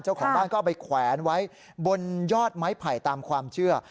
เจ้าของบ้านก็เอาไปแขวนไว้บนยอดไม้ไผ่ตามความเชื่อ